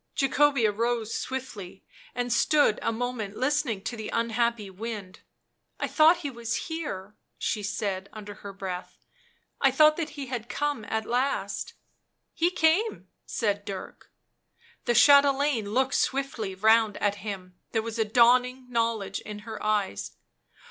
Jacobea rose swiftly and stood a moment listening to the unhappy wind. " I thought he was here," she said under her breath. " I thought that he had come at last." " He came," said Dirk. The chatelaine looked swiftly round at him ; there was a dawning knowledge in her eyes.